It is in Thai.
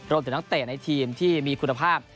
รวมถึงตั้งแต่ในทีมที่มีคุณภาพ